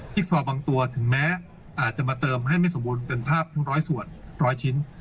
ซอบางตัวถึงแม้อาจจะมาเติมให้ไม่สมบูรณ์เป็นภาพทั้งร้อยส่วนร้อยชิ้น